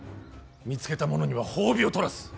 見つけた者には褒美を取らす。